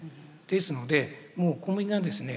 ですのでもう小麦がですね